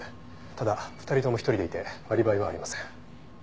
ただ２人とも１人でいてアリバイはありません。